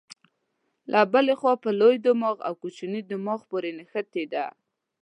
له بلې خوا په لوی دماغ او کوچني دماغ پورې نښتې ده.